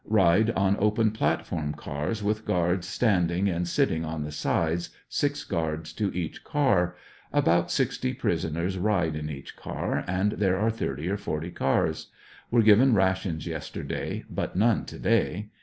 Ride on open platform cars with guards standing and sitting on the sides, six guards to each car. About sixty prisoners ride on each car, and there are thirty or forty cars. Were given rations yesterday, but none to day.